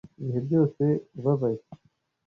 Ibihe byose ubabaye,